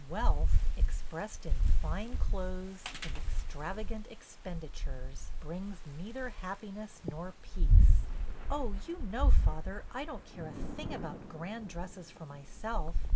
Wealth, expressed in fine clothes and extrav agant expenditures, brings neither happiness nor peace." "Oh, you know, father, I don't care a thing about grand dresses for myself.